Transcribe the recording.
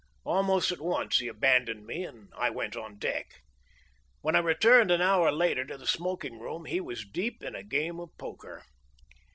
Almost at once he abandoned me and I went on deck. When I returned an hour later to the smoking room he was deep in a game of poker.